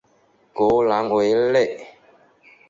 格朗维列。